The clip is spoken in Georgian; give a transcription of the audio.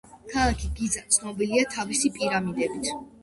ქალაქი გიზა ცნობილია თავისი პირამიდებით.